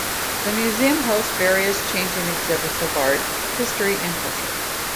The Museum hosts various changing exhibits of art, history and culture.